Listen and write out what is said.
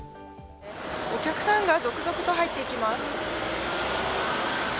お客さんが続々と入っていきます。